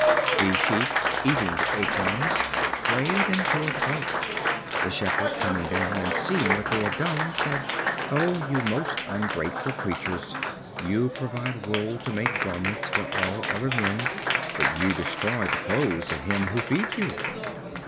The sheep, eating the acorns, frayed and tore the cloak. The Shepherd coming down, and seeing what was done, said: "O you most ungrateful creatures! you provide wool to make garments for all other men, but you destroy the clothes of him who feeds you."